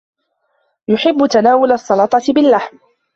يحب تناول السلطة باللحم.